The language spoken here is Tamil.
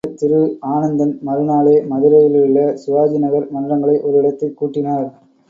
சரி என்று திரு ஆனந்தன் மறுநாளே மதுரையிலுள்ள சிவாஜி ரசிகர் மன்றங்களை ஒரு இடத்தில் கூட்டினார்.